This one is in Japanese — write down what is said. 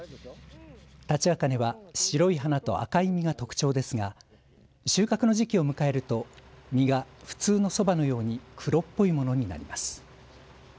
タチアカネは白い花と赤い実が特徴ですが収穫の時期を迎えると実は普通のそばのように黒っぽいものになります。